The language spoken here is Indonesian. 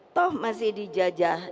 toh masih dijajah